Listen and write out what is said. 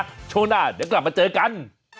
แป๊บเดียวนะช่วงหน้าเดี๋ยวกลับมาเจอกัน